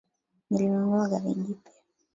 Nilinunua gari jipya